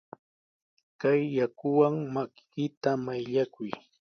Kay yakuwan makiykita mayllakuy.